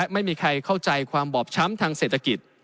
ไม่มีใครเข้าใจความบอบช้ำทางเศรษฐกิจ